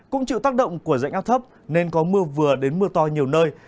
cũng chịu tác động của dạnh áp thấp nên có mưa vừa đến mưa to nhiều nơi